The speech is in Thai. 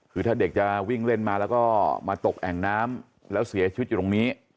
คือถ้าเด็กจะวิ่งเล่นมาแล้วก็มาตกแอ่งน้ำแล้วเสียชีวิตอยู่ตรงนี้